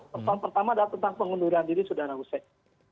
persoalan pertama adalah tentang pengunduran diri sudara hussein